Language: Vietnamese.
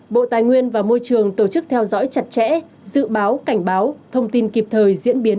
bộ tài nguyên và môi trường tổ chức theo dõi chặt chẽ dự báo cảnh báo thông tin kịp thời diễn biến